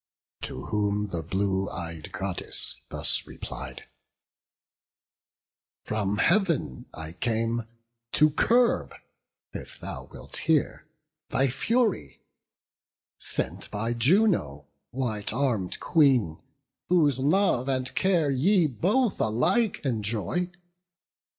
To whom the blue ey'd Goddess thus replied: "From Heav'n I came, to curb, if thou wilt hear, Thy fury; sent by Juno, white arm'd Queen, Whose love and care ye both alike enjoy.